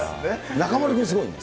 中丸君、すごいね。